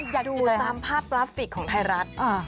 อยากดูตามภาพกราฟิกของไทยรัฐ